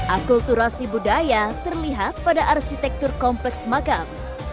akulturasi budaya terlihat pada arsitektur kompleks makam